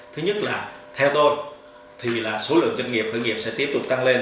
thứ nhất là theo tôi thì là số lượng doanh nghiệp khởi nghiệp sẽ tiếp tục tăng lên